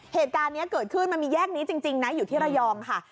เหตุการณ์นี้เกิดขึ้นมันมีแยกนี้จริงนะอยู่ที่ระยองค่ะ